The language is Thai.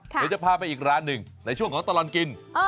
เดี๋ยวจะพาไปอีกร้านหนึ่งในช่วงของตลอดกิน